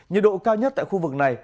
nhiệt độ cao nhất tại khu vực này